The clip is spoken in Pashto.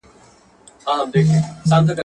شپږي څرنگه له سر څخه ټولېږي.